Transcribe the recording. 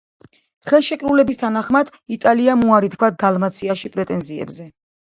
ხელშეკრულების თანახმად იტალიამ უარი თქვა დალმაციაში პრეტენზიებზე.